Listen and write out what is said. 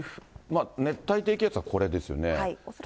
熱帯低気圧はこれですよね。